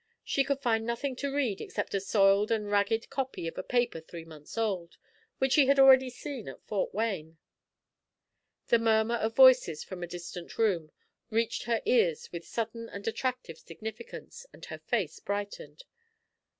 She could find nothing to read except a soiled and ragged copy of a paper three months old, which she had already seen at Fort Wayne. The murmur of voices from a distant room, reached her ears with sudden and attractive significance, and her face brightened.